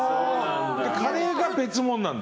カレーが別物なんだ。